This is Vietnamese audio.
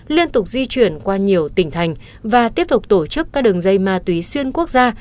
liên tục di chuyển qua nhiều tỉnh thành và tiếp tục tổ chức các đường dây ma túy xuyên quốc gia